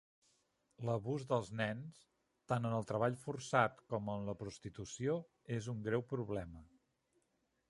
L'abús dels nens, tant en el treball forçat com en la prostitució, és un greu problema.